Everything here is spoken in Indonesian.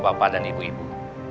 bapak dan ibu ibu